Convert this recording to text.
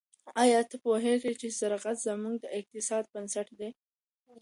آیا ته پوهیږې چې زراعت زموږ د اقتصاد بنسټ دی؟